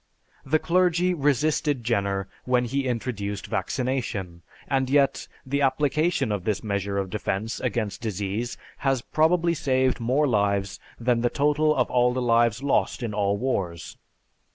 The clergy resisted Jenner when he introduced vaccination, and yet the application of this measure of defense against disease has probably saved more lives than the total of all the lives lost in all wars.